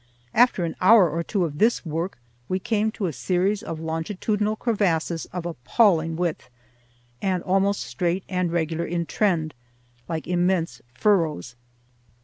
After an hour or two of this work we came to a series of longitudinal crevasses of appalling width, and almost straight and regular in trend, like immense furrows.